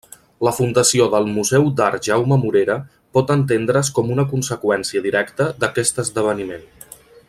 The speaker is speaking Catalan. La fundació del Museu d'Art Jaume Morera pot entendre's com una conseqüència directa d'aquest esdeveniment.